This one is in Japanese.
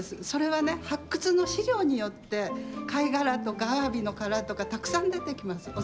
それはね発掘の資料によって貝殻とかアワビの殻とかたくさん出てきます。